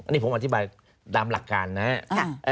อันนี้ผมอธิบายดามหลักการนะฮะ